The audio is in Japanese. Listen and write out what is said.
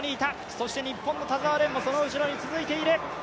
そして日本の田澤廉もその後についている。